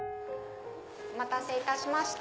お待たせいたしました。